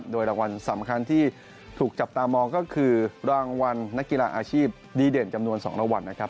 โดยรางวัลสำคัญที่ถูกจับตามองก็คือรางวัลนักกีฬาอาชีพดีเด่นจำนวน๒รางวัลนะครับ